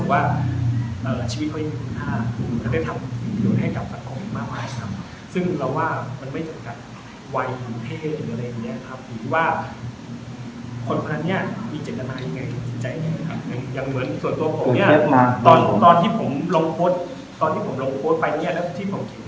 กี้๋บเหมือนส่วนตัวผมเนี้ยตอนตอนที่ผมลงโพสต์ตอนที่ผมลงโพสต์ไปเนี้ยแล้วที่ผมกิน